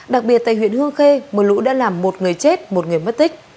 đặc biệt tại huyện hương khê mưa lũ đã làm một người chết một người mất tích